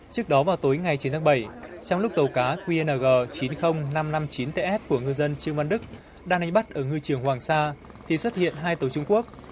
trước đó vào tối ngày chín tháng bảy trong lúc tàu cá qng chín mươi nghìn năm trăm năm mươi chín ts của ngư dân trương văn đức đang đánh bắt ở ngư trường hoàng sa thì xuất hiện hai tàu trung quốc